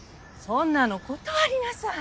そんなの断りなさい！